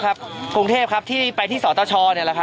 คุณครึ่งเทพครับที่ไปที่สตเต้าช้อนี่แหละครับ